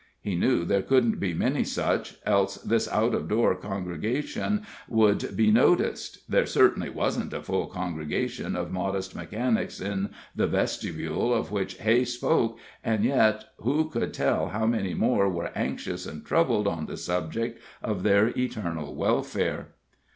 He knew there couldn't be many such, else this out of door congregation would be noticed there certainly wasn't a full congregation of modest mechanics in the vestibule of which Hay spoke, and yet, who could tell how many more were anxious and troubled on the subject of their eternal welfare.